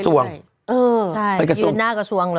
ใช่ยืนหน้ากระทรวงเลย